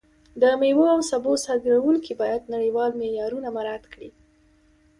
د میوو او سبو صادروونکي باید نړیوال معیارونه مراعت کړي.